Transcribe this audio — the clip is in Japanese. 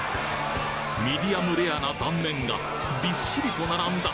ミディアムレアな断面がびっしりと並んだ